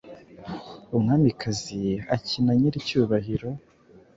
Umwamikazi akina nyiricyubahiro